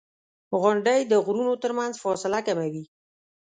• غونډۍ د غرونو ترمنځ فاصله کموي.